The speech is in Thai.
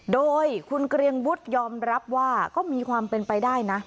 โดยคุณเกรียงวุฒิยอมรับว่าก็มีความเป็นไปได้นะ